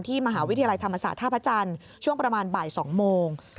มหาวิทยาลัยธรรมศาสตร์ท่าพระจันทร์ช่วงประมาณบ่าย๒โมง